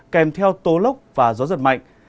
kèm theo tố lóc và gió giật mạnh